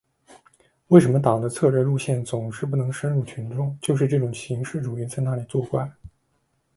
为什么党的策略路线总是不能深入群众，就是这种形式主义在那里作怪。